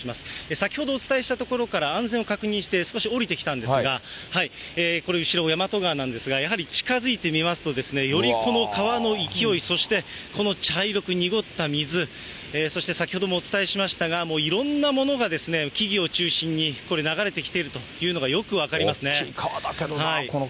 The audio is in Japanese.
先ほどお伝えした所から安全を確認して、少し下りてきたんですが、これ後ろ、大和川なんですが、やはり近づいてみますとですね、よりこの川の勢い、そして、この茶色く濁った水、そして先ほどもお伝えしましたが、もういろんなものが、木々を中心にこれ、流れてきているというのがよく分かりますね。